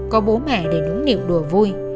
có bố mẹ để đúng niệm đùa vui